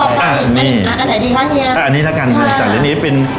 อ่านี่อ่าอันไหนดีคะเฮียอ่าอันนี้ถ้าการจัดเรียนนี้เป็น